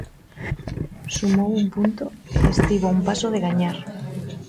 Sumou un punto e estivo a un paso de gañar.